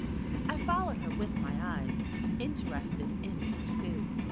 I followed her with my eyes, interested in the pursuit.